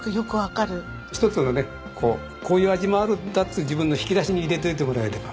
一つのねこういう味もあるんだっていう自分の引き出しに入れておいてもらえれば。